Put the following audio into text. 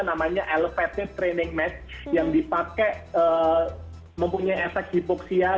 namanya elevated training match yang dipakai mempunyai efek hipoksial